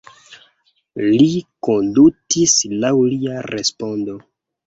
Li kondutis laŭ lia respondo.